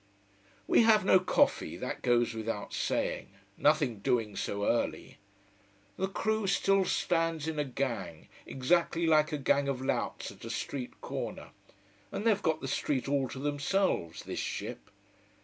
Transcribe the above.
We have no coffee that goes without saying. Nothing doing so early. The crew still stands in a gang, exactly like a gang of louts at a street corner. And they've got the street all to themselves this ship.